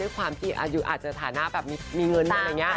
เพราะเด็กสมัยนี้อาจจะมีเงิน